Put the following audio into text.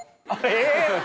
え！